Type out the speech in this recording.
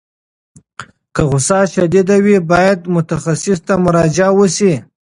که غوسه شدید وي، باید متخصص ته مراجعه وشي.